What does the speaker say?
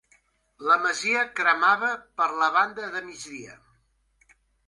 La masia cremava per la banda de migdia.